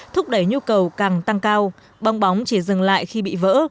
thúc đẩy nhu cầu càng tăng cao bóng bóng chỉ dừng lại khi bị vỡ